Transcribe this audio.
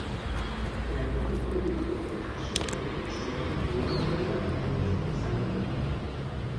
Langile publikoek jaso ez zuten soldataren laurdena ordaintzeko izango da.